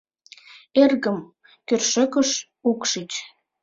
Эргым, кӧршӧкыш укшич.